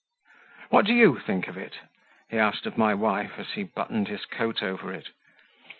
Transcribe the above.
"What do YOU think of it?" he asked of my wife, as he buttoned his coat over it.